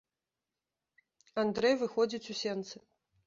Андрэй выходзіць у сенцы.